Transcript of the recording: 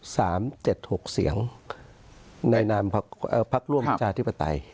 สามเจ็ดหกเสียงในนามพักเอ่อพักร่วมประชาธิปไตย